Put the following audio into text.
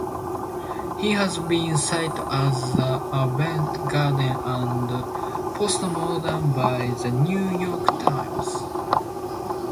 He has been cited as avant garde and postmodern by "The New York Times".